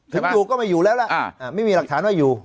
ถึงอยู่ก็ไม่อยู่แล้วล่ะไม่มีหลักฐานว่าอยู่